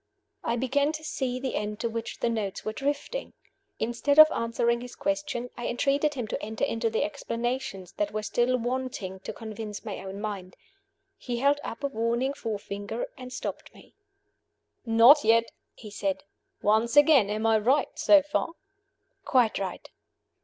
I began to see the end to which the notes were drifting. Instead of answering his question, I entreated him to enter into the explanations that were still wanting to convince my own mind. He held up a warning forefinger, and stopped me. "Not yet," he said. "Once again, am I right so far?" "Quite right."